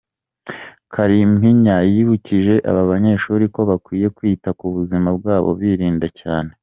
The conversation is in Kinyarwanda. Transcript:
Kalimpinya yibukije aba banyeshuri ko bakwiye kwita ku buzima bwabo birinda cyane.